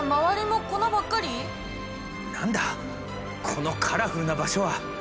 このカラフルな場所は。